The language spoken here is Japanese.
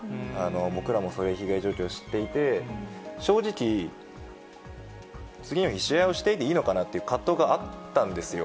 僕らもその被害状況を知っていて、正直、次の日、試合をしていていいのかなという葛藤があったんですよ。